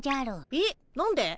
えっ？何で？